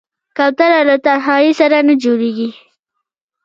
کوتره له تنهايي سره نه جوړېږي.